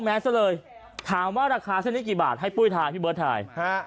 แมสซะเลยถามว่าราคาเส้นนี้กี่บาทให้ปุ้ยถ่ายพี่เบิร์ตถ่าย